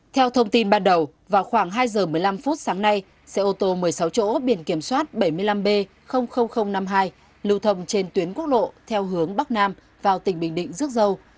theo thông tin ban đầu vào khoảng hai giờ một mươi năm phút sáng nay xe ô tô một mươi sáu chỗ biển kiểm soát bảy mươi năm b năm mươi hai lưu thông trên tuyến quốc lộ theo hướng bắc nam vào tỉnh bình định rước dâu